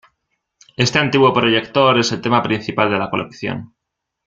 Este antiguo proyector es el tema principal de la colección.